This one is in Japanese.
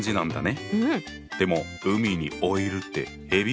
うん。